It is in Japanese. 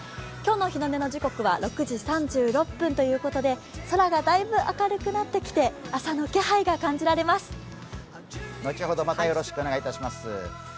今日の日の出の時刻は６時３６分ということで空がだいぶ明るくなってきて朝の気配が感じられます。